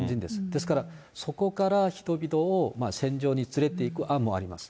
ですからそこから人々を戦場に連れていく案もあります。